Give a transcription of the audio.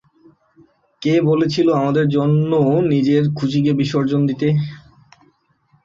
কে বলেছিলো আমাদের জন্য নিজের খুশিকে বিসর্জন দিতে?